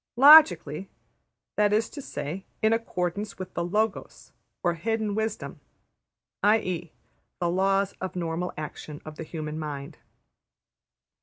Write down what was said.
``Logically''; that is to say, in accordance with the ``Logos'' or hidden wisdom, \textit{i.e.} the laws of normal action of the human mind.